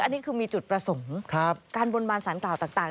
อันนี้คือมีจุดประสงค์การบนบานสารกล่าวต่าง